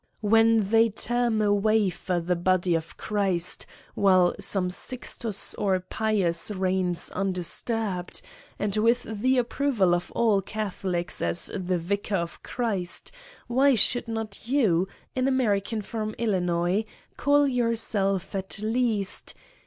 When they term a wafer the body of Christ, while some Sixtus or Pius reigns undis turbed, and with the approval of all Catholics as the Vicar of Christ, why should not you, an Amer ican from Illinois, call yourself at least